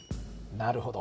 なるほど。